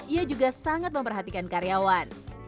ia juga sangat memperhatikan karyawan